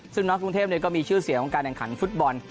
ซึ่งน้องกรุงเทพก็มีชื่อเสียงของการแข่งขันฟุตบอล